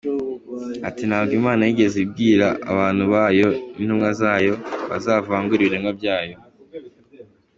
Ati “Ntabwo Imana yigeze ibwira abantu bayo, n’intumwa zayo, ngo bazavangure ibiremwa byayo.